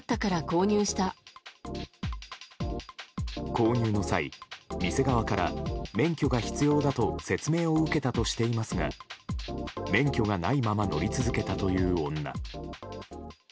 購入の際店側から免許が必要だと説明を受けたとしていますが免許がないまま乗り続けたという女。